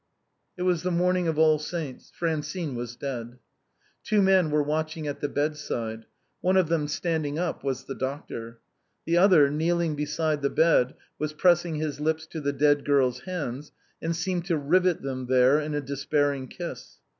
It was the morning of All Saints'. Francine was dead. Two men were watching at the bedside ; the one of them standing up was the doctor; the other, kneeling beside the bed, was pressing his lips to the dead girl's hands, and seemed to seek to rivet them there in a despairing kiss.